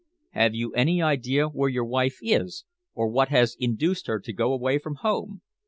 "Have you any idea where your wife is, or what has induced her to go away from home?